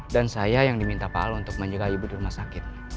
dan saya yang diminta pak al untuk menjaga ibu di rumah sakit